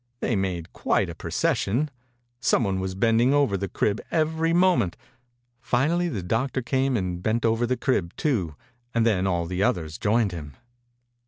They made quite a procession. Some one was bending over the crib every moment. Finally the doc tor came and bent over the crib, too, and then all the others joined him.